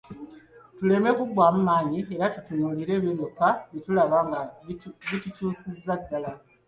Tuleme kuggwaamu maanyi era tutunuulire ebyo byokka bye tulaba nga bitukyusiza ddala.